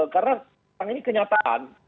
karena sekarang ini kenyataan